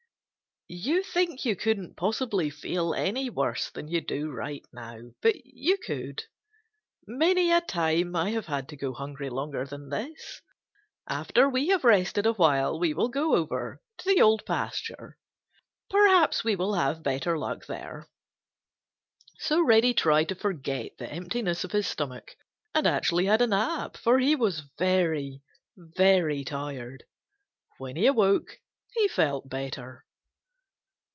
You think you couldn't possibly feel any worse than you do right now, but you could. Many a time I have had to go hungry longer than this. After we have rested awhile we will go over to the Old Pasture. Perhaps we will have better luck there." So Reddy tried to forget the emptiness of his stomach and actually had a nap, for he was very, very tired. When he awoke he felt better.